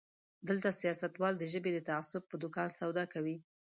دلته سياستوال د ژبې د تعصب په دوکان سودا کوي.